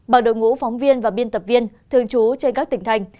bởi đội ngũ phóng viên và biên tập viên thường trú trên các tỉnh thành